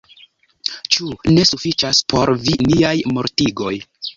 Ĉu ne sufiĉas por vi niaj mortigoj?